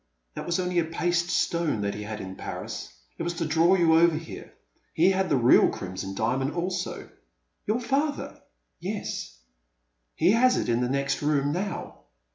That was only a paste stone that he had in Paris. It was to draw you over here. He had the real Crimson Diamond also.'* Your father?'' Yes. He has it in the next room now.